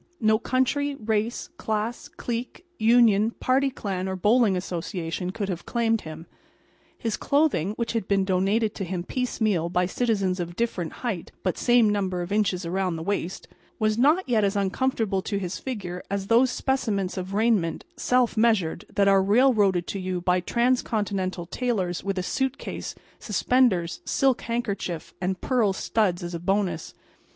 No country, race, class, clique, union, party clan or bowling association could have claimed him. His clothing, which had been donated to him piece meal by citizens of different height, but same number of inches around the heart, was not yet as uncomfortable to his figure as those specimens of raiment, self measured, that are railroaded to you by transcontinental tailors with a suit case, suspenders, silk handkerchief and pearl studs as a bonus.